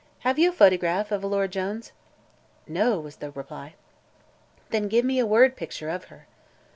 Have you a photograph of Alora Jones?" "No," was the reply. "Then give me a word picture of her."